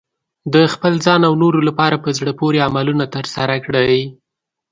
د خپل ځان او نورو لپاره په زړه پورې عملونه ترسره کړئ.